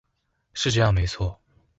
是這樣沒錯